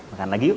makan lagi yuk